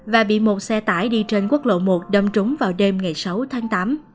và bị một xe tải đi trên quốc lộ một đâm trúng vào đêm ngày sáu tháng tám